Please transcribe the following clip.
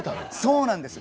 そうなんです。